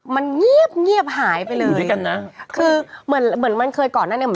มันเงี๊ยบหายไปเลยคือเหมือนเคยก่อนหน้าเนี่ย